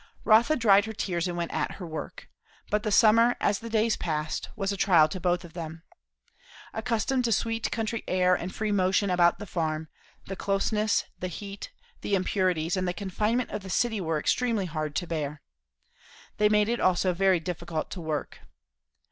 Rotha dried her tears and went at her work. But the summer, as the days passed, was a trial to both of them. Accustomed to sweet country air and free motion about the farm, the closeness, the heat, the impurities, and the confinement of the city were extremely hard to bear. They made it also very difficult to work.